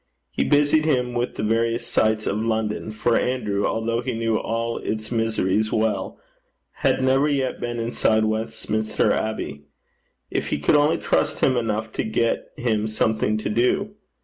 He busied him with the various sights of London, for Andrew, although he knew all its miseries well, had never yet been inside Westminster Abbey. If he could only trust him enough to get him something to do!